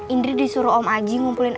indri disuruh om aji ngumpulin